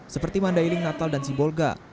seperti mandailing natal dan sibolga